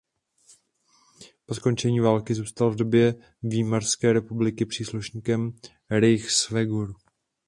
Po skončení války zůstal v době Výmarské republiky příslušníkem Reichswehru.